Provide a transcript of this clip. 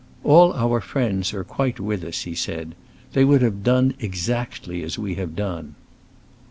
"All our friends are quite with us," he said. "They would have done exactly as we have done."